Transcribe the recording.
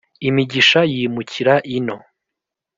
Imigisha yimukira ino.